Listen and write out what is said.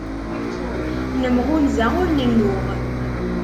Nemɣunza ur nennuɣ.